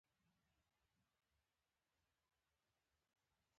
د پوځي نظام مخالفې ټولې ډلې سره جرګه شي.